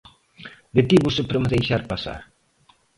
Detívose para me deixar pasar.